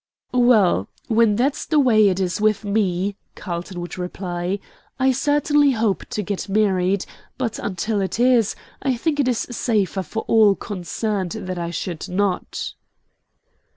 "Well, when that's the way it is with ME," Carlton would reply, "I certainly hope to get married; but until it is, I think it is safer for all concerned that I should not."